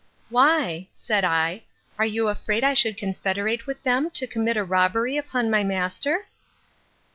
Why, said I, are you afraid I should confederate with them to commit a robbery upon my master?